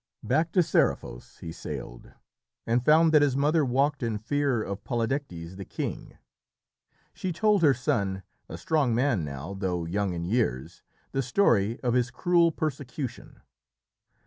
Back to Seriphos he sailed, and found that his mother walked in fear of Polydectes the king. She told her son a strong man now, though young in years the story of his cruel persecution.